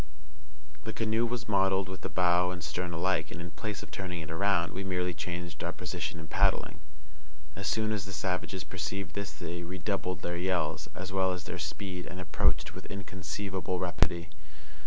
The canoe was modelled with the bow and stern alike, and, in place of turning it around, we merely changed our position in paddling. As soon as the savages perceived this they redoubled their yells, as well as their speed, and approached with inconceivable rapidity.